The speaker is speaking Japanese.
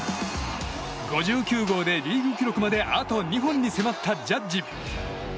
５９号で、リーグ記録まであと２本に迫ったジャッジ。